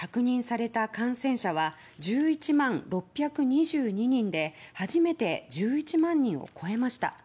昨日、新たに確認された感染者は１１万６２２人で初めて１１万人を超えました。